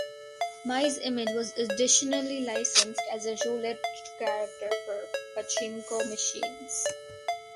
Mai's image was additionally licensed as a roulette character for pachinko machines.